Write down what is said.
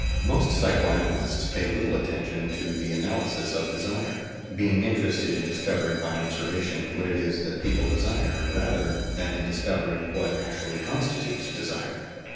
Most psycho analysts pay little attention to the analysis of desire, being interested in discovering by observation what it is that people desire, rather than in discovering what actually constitutes desire.